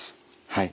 はい。